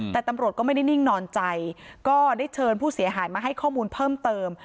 แต่ตำรวจก็ไม่ได้นิ่งนอนใจก็ได้เชิญผู้เสียหายมาให้ข้อมูลเพิ่มเติม